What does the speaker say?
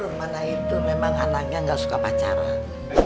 rumah itu memang anaknya gak suka pacaran